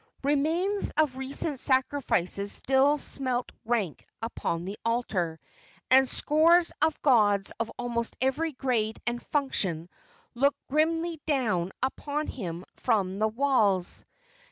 Remains of recent sacrifices still smelt rank upon the altar, and scores of gods of almost every grade and function looked grimly down upon him from the walls.